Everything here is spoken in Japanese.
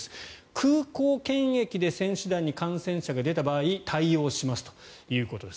空港検疫で選手団に感染者が出た場合対応しますということです。